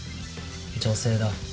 女性だ。